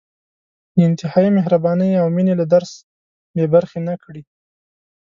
د انتهايي مهربانۍ او مېنې له درس بې برخې نه کړي.